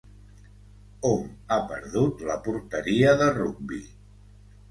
Hom ha perdut la porteria de rugbi.